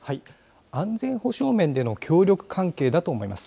安全保障面での協力関係だと思います。